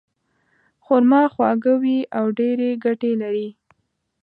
خرما خواږه وي او ډېرې ګټې لري.